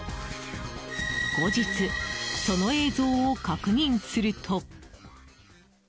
後日、その映像を確認すると。